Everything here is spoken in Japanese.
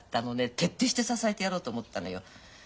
徹底して支えてやろうと思ったのよ。